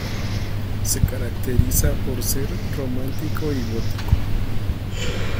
Se caracteriza por ser romántico y gótico.